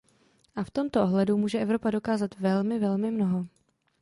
A v tomto ohledu může Evropa dokázat velmi, velmi mnoho.